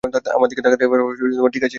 আমার দিকে তাকাতে পারো, ঠিক আছি এখন।